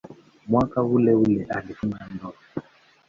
Mwaka uleule alifunga ndoa.